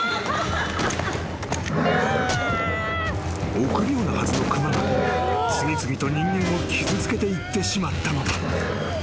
［臆病なはずの熊が次々と人間を傷つけていってしまったのだ］